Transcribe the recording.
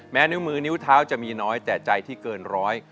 นิ้วมือนิ้วเท้าจะมีน้อยแต่ใจที่เกินร้อย